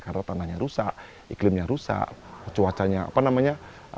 karena tanahnya rusak iklimnya rusak cuacanya apa namanya